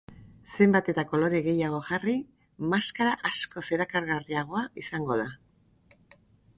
Zenbat eta kolore gehiago jarri, maskara askoz erakargarriagoa izango da.